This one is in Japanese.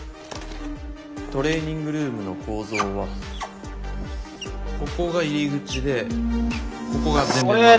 トレーニングルームの構造はここが入り口でここが全面窓。